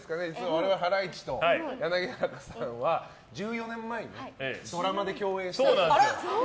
我々、ハライチと柳原さんは１４年前にドラマで共演したんですよ。